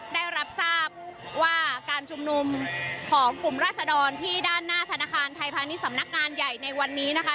ได้รับทราบว่าการชุมนุมของกลุ่มราศดรที่ด้านหน้าธนาคารไทยพาณิชย์สำนักงานใหญ่ในวันนี้นะคะ